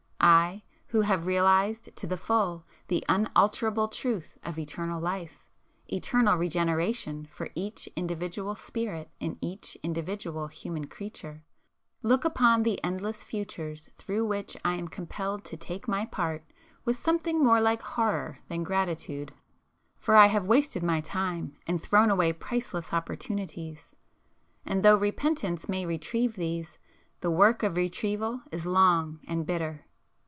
I, who have realized to the full the unalterable truth of eternal life,—eternal regeneration for each individual spirit in each individual human creature,—look upon the endless futures through which I am compelled to take my part with something more like horror than gratitude. For I have wasted my time and thrown away priceless opportunities,—and though repentance may retrieve these, the work of retrieval is long and bitter.